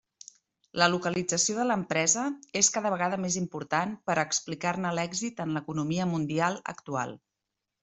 La localització de l'empresa és cada vegada més important per a explicar-ne l'èxit en l'economia mundial actual.